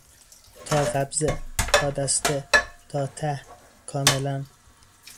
تا قبضه، تا دسته، تا ته، کاملا